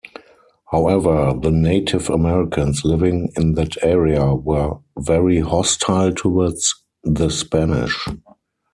However, the Native Americans living in that area were very hostile towards the Spanish.